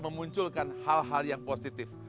memunculkan hal hal yang positif